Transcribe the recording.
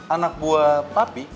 anak buah papi